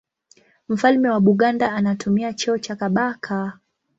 Mfalme wa Buganda anatumia cheo cha Kabaka.